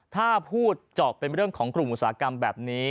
ถ้าพูดเจาะเป็นเรื่องของกลุ่มอุตสาหกรรมแบบนี้